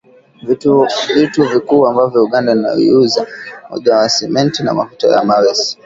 Vitu vikuu ambavyo Uganda inaiuza ni pamoja na Simenti na mafuta ya mawese